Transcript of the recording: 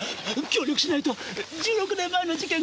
協力しないと１６年前の事件！